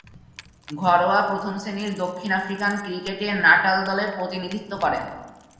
ঘরোয়া প্রথম-শ্রেণীর দক্ষিণ আফ্রিকান ক্রিকেটে নাটাল দলের প্রতিনিধিত্ব করেন।